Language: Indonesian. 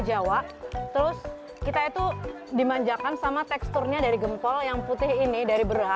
jawa terus kita itu dimanjakan sama teksturnya dari gempol yang putih ini dari beras